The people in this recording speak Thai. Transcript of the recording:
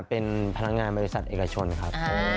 เป็นพนักงานบริษัทเอกชนครับ